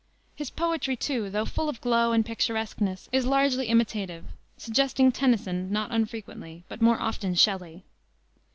His poetry, too, though full of glow and picturesqueness, is largely imitative, suggesting Tennyson not unfrequently, but more often Shelley.